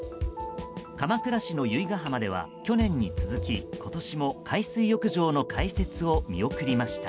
鎌倉市の由比ガ浜では去年に続き今年も海水浴場の開設を見送りました。